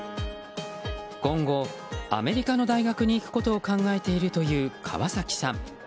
今後、アメリカの大学に行くことを考えているという川崎さん。